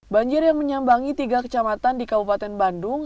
banjir yang menyambangi tiga kecamatan di kabupaten bandung